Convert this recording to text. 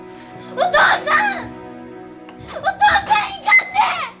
お父さん！